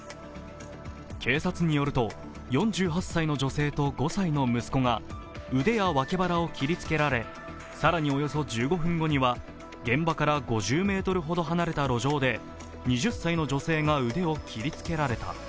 警察によると４８歳の女性と５歳の息子が腕や脇腹を切りつけられ、更におよそ１５分後には現場から５０ｍほど離れた路上で２０歳の女性が腕を切りつけられた。